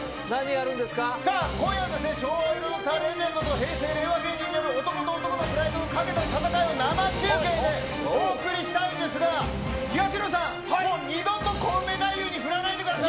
さあ、今夜はですね、昭和・平成・令和芸人による男と男のプライドをかけた戦いを生中継でお送りしたいんですが、東野さん、二度とコウメ太夫に振らないでください。